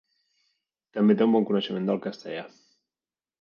També té un bon coneixement del castellà.